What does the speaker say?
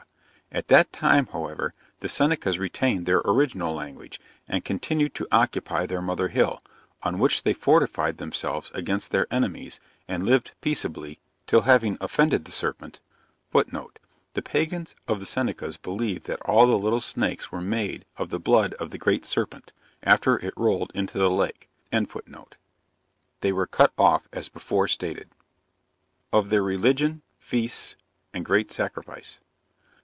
At that time, however, the Senecas retained their original language, and continued to occupy their mother hill, on which they fortified themselves against their enemies, and lived peaceably, till having offended the serpent, [Footnote: The pagans of the Senecas believe that all the little snakes were made of the blood of the great serpent, after it rolled into the lake.] they were cut off as before stated. OF THEIR RELIGION FEASTS AND GREAT SACRIFICE.